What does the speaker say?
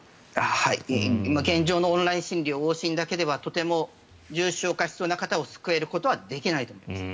現状のオンライン診療、往診だけではとても重症化しそうな方を救うことはできないと思います。